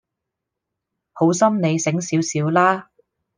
好心你醒少少啦